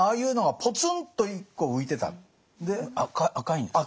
赤いんですか？